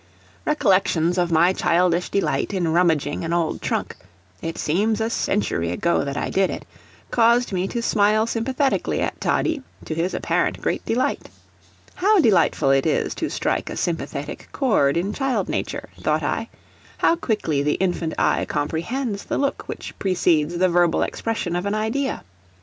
Recollections of my childish delight in rummaging an old trunk it seems a century ago that I did it caused me to smile sympathetically at Toddie, to his apparent great delight. How delightful it is to strike a sympathetic chord in child nature, thought I; how quickly the infant eye comprehends the look which precedes the verbal expression of an idea!